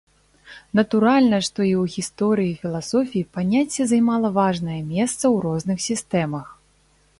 Натуральна, што і ў гісторыі філасофіі паняцце займала важнае месца ў розных сістэмах.